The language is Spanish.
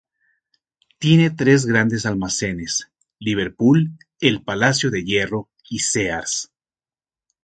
Tiene tres grandes almacenes: Liverpool, El Palacio de Hierro y Sears.